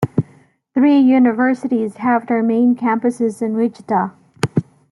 Three universities have their main campuses in Wichita.